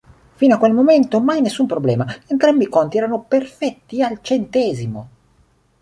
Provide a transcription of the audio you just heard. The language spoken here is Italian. Fino a quel momento mai nessun problema: entrambi i conti erano perfetti al centesimo.